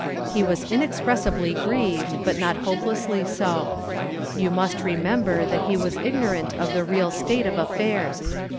He was inexpressibly grieved, but not hopelessly so. You must re member that he was ignorant of the real state of affairs.